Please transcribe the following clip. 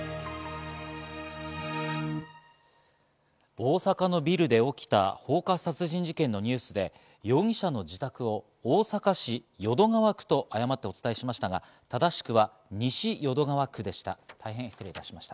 大阪のビルで起きた放火殺人事件のニュースで、容疑者の自宅を大阪市淀川区と誤ってお伝えしましたが、正しくは西淀川区でした。